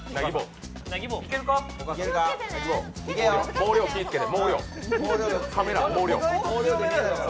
毛量、気をつけて。